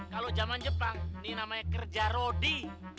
kalau zaman jepang ini namanya kerja rodi